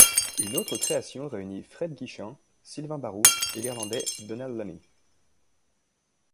Une autre création réunie Fred Guichen, Sylvain Barou et l'Irlandais Dónal Lunny.